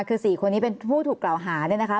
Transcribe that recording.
คือ๔คนนี้เป็นผู้ถูกกล่าวหาเนี่ยนะคะ